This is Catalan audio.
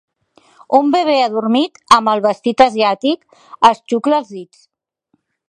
Un bebè adormit, amb un vestit asiàtic, es xucla els dits.